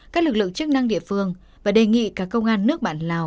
các lực lượng chức năng địa phương và đề nghị cả công an nước bạn lào